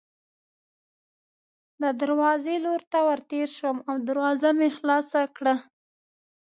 د دروازې لور ته ورتېر شوم او دروازه مې خلاصه کړه.